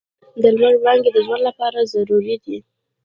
د لمر وړانګې د ژوند لپاره ضروري دي.